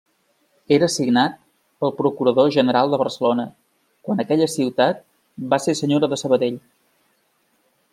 Era signat pel procurador general de Barcelona, quan aquella ciutat va ser senyora de Sabadell.